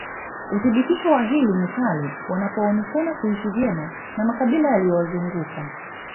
Uthibitisho wa hili ni pale wanapoonekana kuishi vyema na makabila yaliyowazunguka